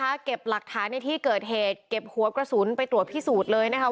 เก็บหลักฐานในที่เกิดเหตุเก็บหัวกระสุนไปตรวจพิสูจน์เลยนะคะ